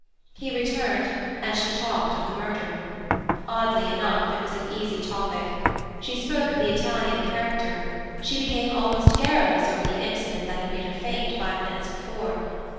He returned, and she talked of the murder. Oddly enough, it was an easy topic. She spoke of the Italian character; she became almost garrulous over the incident that had made her faint five minutes before.